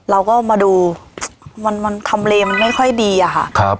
เราก็มาดูมันมันทำเลมไม่ค่อยดีอะค่ะครับ